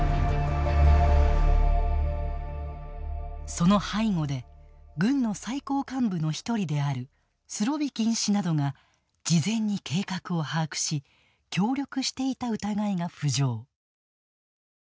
その背後で軍の最高幹部の１人であるスロビキン氏などが事前に計画を把握し協力していた疑いが浮上。